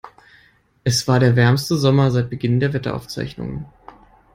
Es war der wärmste Sommer seit Beginn der Wetteraufzeichnungen.